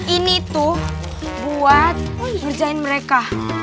ini tuh buat kerjain mereka